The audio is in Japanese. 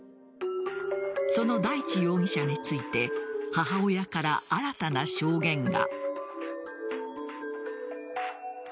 その大地容疑者について母親から新たな証言が。